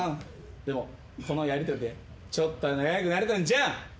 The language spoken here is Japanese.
でもこのやりとりでちょっとは仲良くなれたんちゃう？